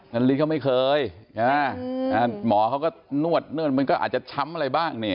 นาริสเขาไม่เคยหมอเขาก็นวดมันก็อาจจะช้ำอะไรบ้างเนี่ย